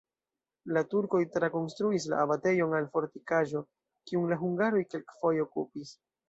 La turkoj trakonstruis la abatejon al fortikaĵo, kiun la hungaroj kelkfoje okupis.